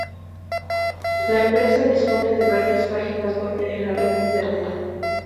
La empresa dispone de varias páginas web en la red internet.